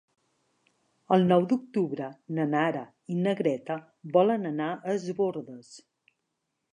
El nou d'octubre na Nara i na Greta volen anar a Es Bòrdes.